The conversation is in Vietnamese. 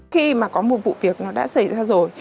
khi mà có một vụ việc nó đã xảy ra rồi